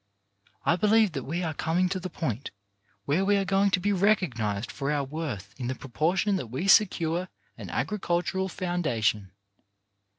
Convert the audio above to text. I believe that we are coming to the point where we are going to be recognized for our worth in the proportion that we secure an agricultural foundation.